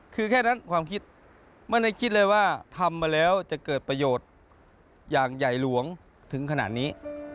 คือแค่นั้นความคิดไม่ได้คิดเลยว่าทำมาแล้วจะเกิดประโยชน์อย่างใหญ่หลวงถึงขนาดนี้